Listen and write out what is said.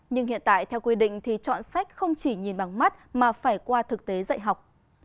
nhưng hiện tại theo quy định thì chọn sách không chỉ nhìn bằng mắt mà phải qua thực tế dạy học